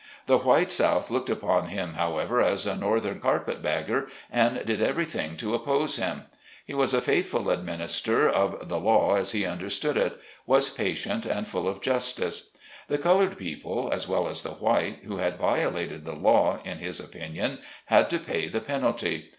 The white South looked upon him, however, as a northern carpet bagger, and did everything to oppose him. He was a faithful administer of the law as he understood it, was patient and full of justice. The colored people, as well as the white, who had violated the law, in his opinion, had to pay the penalty.